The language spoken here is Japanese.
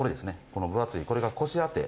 この分厚いこれが腰当て。